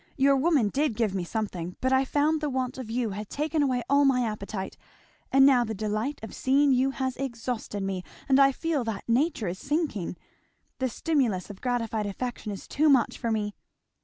Your woman did give me something, but I found the want of you had taken away all my appetite; and now the delight of seeing you has exhausted me, and I feel that nature is sinking. The stimulus of gratified affection is too much for me."